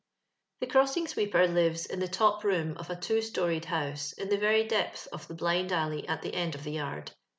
The crossing sweeper lives in the top room of;a two storied house, in the very depth of the blind alley at the end of the yard.